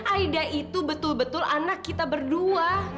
aida itu betul betul anak kita berdua